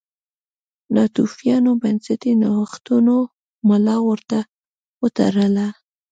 ناتوفیانو بنسټي نوښتونو ملا ور وتړله.